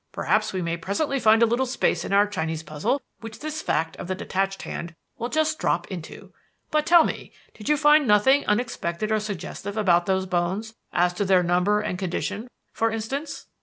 Perhaps we may presently find a little space in our Chinese puzzle which this fact of the detached hand will just drop into. But, tell me, did you find nothing unexpected or suggestive about those bones as to their number and condition, for instance?"